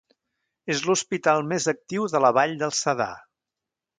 És l'hospital més actiu de la vall del Cedar.